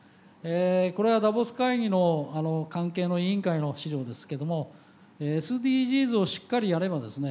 これはダボス会議の関係の委員会の資料ですけどもＳＤＧｓをしっかりやればですね